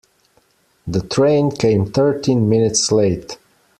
The train came thirteen minutes late.